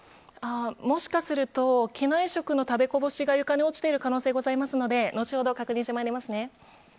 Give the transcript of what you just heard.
もしかすると、機内食の食べこぼしが床に落ちている可能性がございますので後ほど確認してまいりますね。